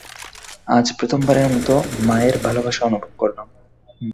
আজ প্রথমবারের মতো মায়ের ভালোবাসা অনুভব করলাম।